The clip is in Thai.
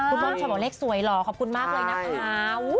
คุณบ้อนเฉพาะเลขสวยหล่อขอบคุณมากเลยนะคุณค่ะ